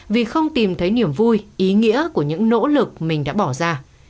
vì không tìm thấy niềm vui ý nghĩa của những nỗ lực mình đã bỏ ra